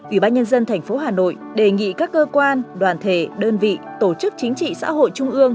ủy ban nhân dân tp hà nội đề nghị các cơ quan đoàn thể đơn vị tổ chức chính trị xã hội trung ương